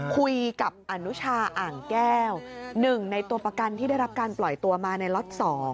คุยกับอนุชาอ่างแก้ว๑ในตัวประกันที่ได้รับการปล่อยตัวมาในล็อต๒